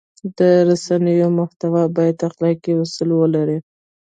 د رسنیو محتوا باید اخلاقي اصول ولري.